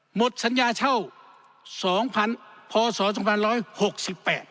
หมดสัญญาเช่าพศ๒๖๘